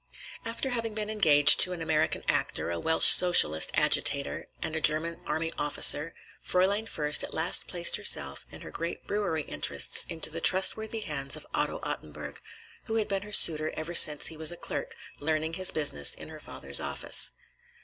After having been engaged to an American actor, a Welsh socialist agitator, and a German army officer, Fräulein Fürst at last placed herself and her great brewery interests into the trustworthy hands of Otto Ottenburg, who had been her suitor ever since he was a clerk, learning his business in her father's office.